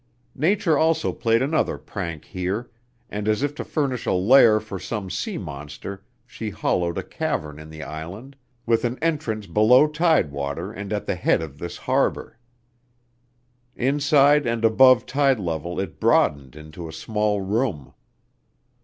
Nature also played another prank here, and as if to furnish a lair for some sea monster she hollowed a cavern in the island, with an entrance below tidewater and at the head of this harbor. Inside and above tide level it broadened into a small room.